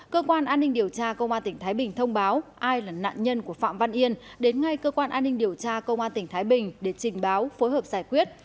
cơ quan an ninh điều tra công an tỉnh thái bình thông báo ai là nạn nhân của phạm văn yên đến ngay cơ quan an ninh điều tra công an tỉnh thái bình để trình báo phối hợp giải quyết